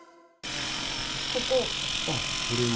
ここ。